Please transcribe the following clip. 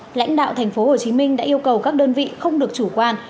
lãnh đạo tp hcm đã yêu cầu các đơn vị không được chủ quan